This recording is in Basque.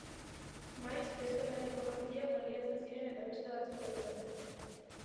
Maiz, Besta-Berriko jantziak baliatzen ziren eta beste batzuk alokatzen.